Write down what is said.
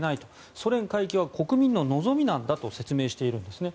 ソ連回帰は国民の望みなんだと説明しているんですね。